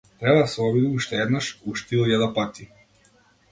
Треба да се обиде уште еднаш, уште илјада пати.